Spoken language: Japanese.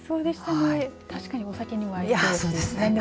確かにお酒にも合いそうです。